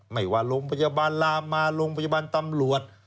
ไม่ว่าโรงพยาบาลลามมาโรงพยาบาลตำรวจ